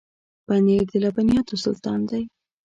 پنېر د لبنیاتو سلطان دی.